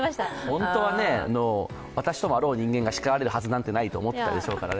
本当はね、私ともあろう人間が叱られるはずがないと思ってたでしょうけどね。